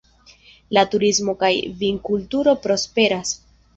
La turismo kaj vinkulturo prosperas.